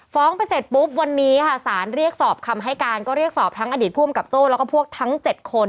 ฟ้องไปเสร็จปุ๊บวันนี้ค่ะสารเรียกสอบคำให้การก็เรียกสอบทั้งอดีตผู้อำกับโจ้แล้วก็พวกทั้ง๗คน